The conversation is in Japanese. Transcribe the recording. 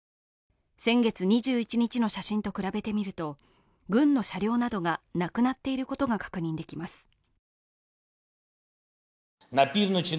先月２１日の写真と比べてみると軍の車両などがなくなっていることが確認できます。